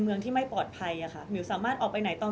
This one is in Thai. มิวยังมีเจ้าหน้าที่ตำรวจอีกหลายคนที่พร้อมจะให้ความยุติธรรมกับมิว